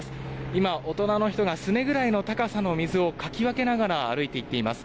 今、大人の人がすねぐらいの高さの水をかき分けながら歩いていっています。